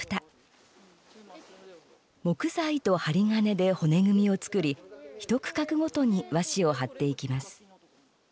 木材と針金で骨組みを作りひと区画ごとに和紙を貼っていきます。